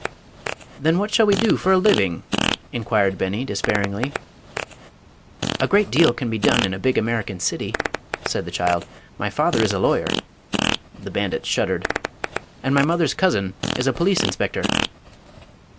"Then what shall we do for a living?" inquired Beni, despairingly. "A great deal can be done in a big American city," said the child. "My father is a lawyer" (the bandits shuddered), "and my mother's cousin is a police inspector."